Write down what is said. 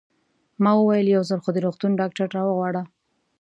ما وویل: یو ځل خو د روغتون ډاکټر را وغواړه.